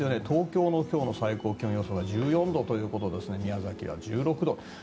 東京の今日の最高気温予想は１４度ということで宮崎は１６度。